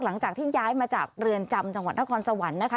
หลังจากที่ย้ายมาจากเรือนจำจังหวัดนครสวรรค์นะคะ